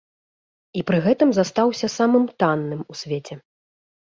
І пры гэтым застаўся самым танным у свеце.